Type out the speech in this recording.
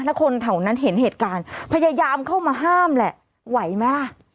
แล้วคนแถวนั้นเห็นเหตุการณ์พยายามเข้ามาห้ามแหละไหวไหมล่ะ